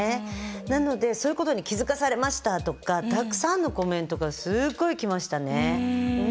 なのでそういうことに気付かされましたとかたくさんのコメントがすごいきましたね。